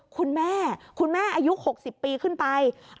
คุณแม่คุณแม่อายุ๖๐ปีขึ้นไป